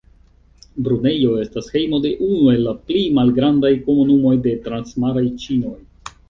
Brunejo estas hejmo de unu el la pli malgrandaj komunumoj de transmaraj ĉinoj.